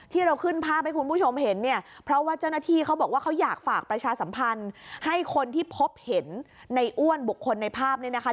ที่เราขึ้นภาพให้คุณผู้ชมเห็นเนี่ยเพราะว่าเจ้าหน้าที่เขาบอกว่าเขาอยากฝากประชาสัมพันธ์ให้คนที่พบเห็นในอ้วนบุคคลในภาพเนี่ยนะคะ